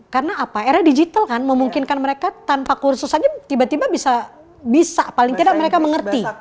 karena apa era digital kan memungkinkan mereka tanpa kursus aja tiba tiba bisa paling tidak mereka mengerti